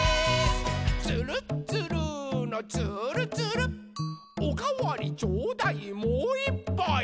「つるっつるーのつーるつる」「おかわりちょうだいもういっぱい！」